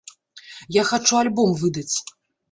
Я хачу альбом выдаць.